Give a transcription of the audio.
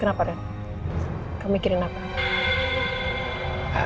kenapa ren kamu mikirin apa